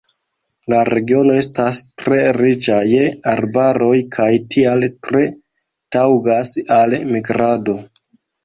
La regiono estas tre riĉa je arbaroj kaj tial tre taŭgas al migrado.